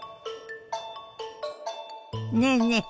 ねえねえ